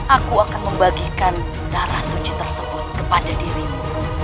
aku akan membagikan darah suci tersebut kepada dirimu